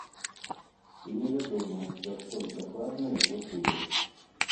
І невядома, за што ж дакладна яго судзяць.